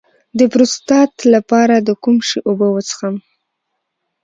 د پروستات لپاره د کوم شي اوبه وڅښم؟